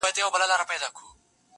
له یوه کونجه تر بله پوري تلله-